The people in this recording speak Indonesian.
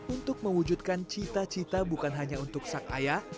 untuk mewujudkan cita cita bukan hanya untuk sang ayah